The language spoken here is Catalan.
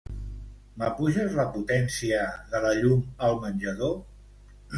M'apuges la potència de la llum al menjador?